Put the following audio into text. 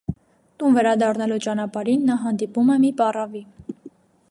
Տուն վերադառնալու ճանապարհին նա հանդիպում է մի պառավի։